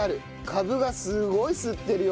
カブがすごい吸ってるよ。